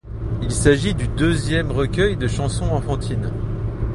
Il s'agit du deuxième recueil de chansons enfantines.